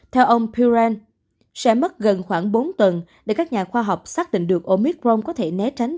theo ông puren sẽ mất gần khoảng bốn tuần để các nhà khoa học xác định được omicron có thể né tránh